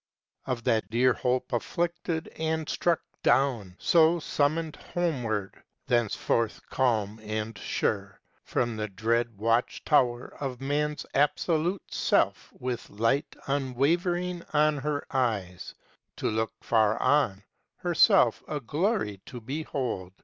Of that dear Hope afflicted and struck down, So summoned homeward, thenceforth calm and sure, From the dread watch tower of man's absolute self, With light unwaning on her eyes, to look Far on herself a glory to behold.